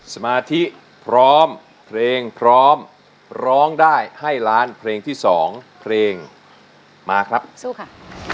สมาธิพร้อมเพลงพร้อมร้องได้ให้ล้านเพลงที่สองเพลงมาครับสู้ค่ะ